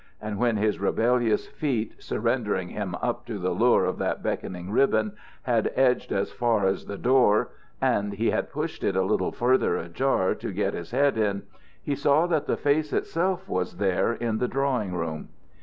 And when his rebellious feet, surrendering him up to the lure of that beckoning ribbon, had edged as far as the door, and he had pushed it a little further ajar to get his head in, he saw that the face itself was there in the drawing room.